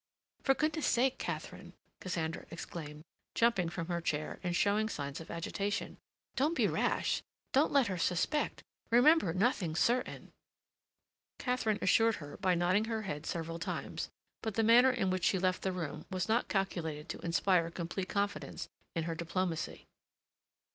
"For goodness' sake, Katharine," Cassandra exclaimed, jumping from her chair and showing signs of agitation, "don't be rash. Don't let her suspect. Remember, nothing's certain—" Katharine assured her by nodding her head several times, but the manner in which she left the room was not calculated to inspire complete confidence in her diplomacy.